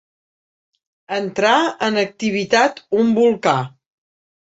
Entrar en activitat un volcà.